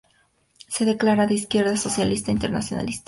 Se declara de izquierdas, socialista e internacionalista.